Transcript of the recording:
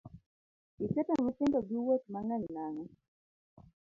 Iketo nyithindo gi wuoth mang'eny nang'o?